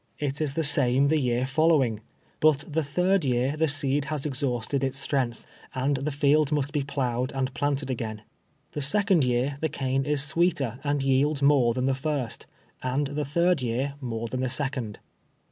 It is the same the year following ; but the third year the seed has exliausted its strength, and the field must be ploughed and planted again. Tlie second year the cane is sweeter and yields more than the first, and the third year more than the second.